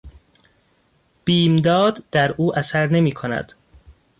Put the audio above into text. بیمداد در او اثر نمیکند.